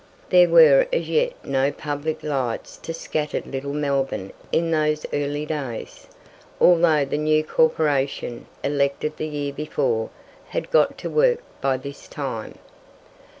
There were as yet no public lights to scattered little Melbourne in those early days, although the new corporation, elected the year before, had got to work by this time.